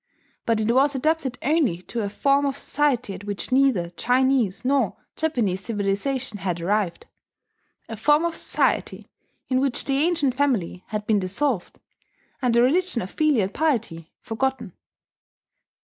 But it was adapted only to a form of society at which neither Chinese nor Japanese civilization had arrived, a form of society in which the ancient family had been dissolved, and the religion of filial piety forgotten.